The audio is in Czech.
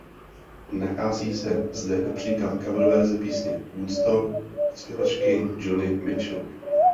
Nachází se zde například coververze písně „Woodstock“ od zpěvačky Joni Mitchell.